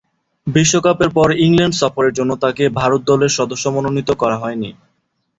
বিশ্বকাপের পর ইংল্যান্ড সফরের জন্য তাকে ভারত দলের সদস্য মনোনীত করা হয়নি।